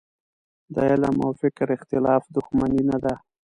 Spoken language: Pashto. د علم او فکر اختلاف دوښمني نه ده.